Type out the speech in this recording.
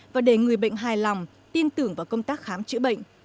và để người bệnh hài lòng tin tưởng vào công tác khám chữa bệnh